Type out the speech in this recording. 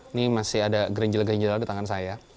ini masih ada gerinjel gerinjel di tangan saya